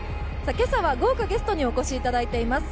今朝は豪華ゲストにお越しいただいています。